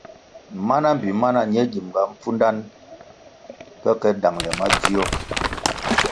Mana mbpi mana ñe gimʼnga pfundanʼ pe ke dangʼle madzio.